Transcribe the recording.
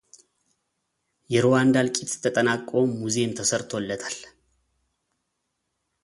የሩዋንዳ እልቂት ተጠናቅቆ ሙዚየም ተሰርቶለታል